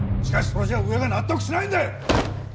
しかしそれじゃ上が納得しないんだよ！